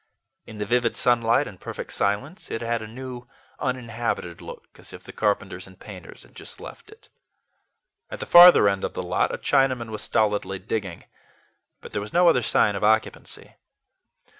In the vivid sunlight and perfect silence, it had a new, uninhabited look, as if the carpenters and painters had just left it. At the farther end of the lot, a Chinaman was stolidly digging; but there was no other sign of occupancy.